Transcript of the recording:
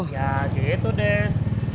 ya gitu deh